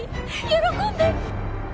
喜んで！